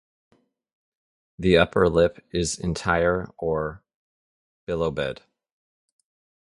The upper lip is entire or bilobed.